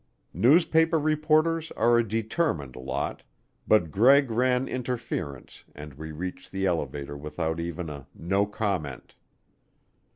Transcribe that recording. Newspaper reporters are a determined lot, but Greg ran interference and we reached the elevator without even a "no comment."